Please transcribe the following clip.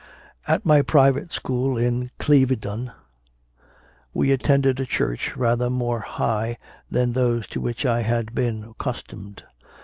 3. At my private school in Clevedon we attended a church rather more "high" than those to which I had been accustomed.